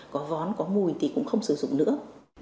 có vón có mùi thì cũng không sử dụng nữa